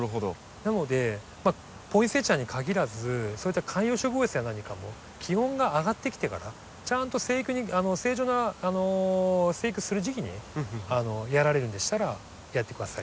なのでポインセチアにかぎらずそういった観葉植物や何かも気温が上がってきてからちゃんと生育に正常な生育する時期にやられるんでしたらやって下さい。